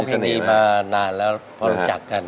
ครับนะครับ